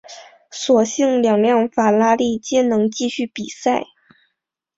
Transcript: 所幸两辆法拉利皆能继续比赛。